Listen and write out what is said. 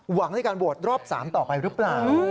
หวังในการโหวตรอบ๓ต่อไปหรือเปล่า